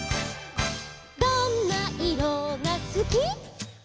「どんないろがすき」「」